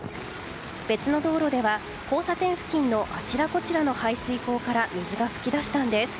別の道路では交差点付近のあちらこちらの排水溝から水が噴き出したんです。